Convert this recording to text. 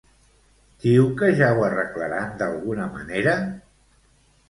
Diu que ja ho arreglaran d'alguna manera?